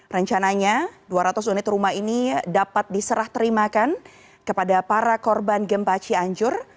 rencananya dua ratus unit rumah ini dapat diserah terimakan kepada para korban gempa cianjur